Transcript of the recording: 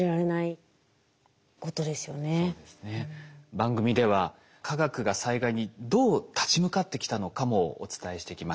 番組では科学が災害にどう立ち向かってきたのかもお伝えしてきました。